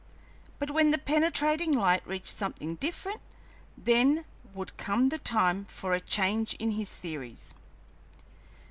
But when the penetrating light reached something different, then would come the time for a change in his theories.